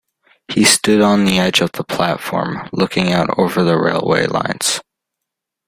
He stood on the edge of the platform, looking out over the railway lines.